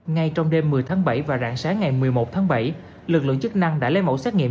ngay trong đêm một mươi tháng bảy và rạng sáng ngày một mươi một tháng bảy lực lượng chức năng đã lấy mẫu xét nghiệm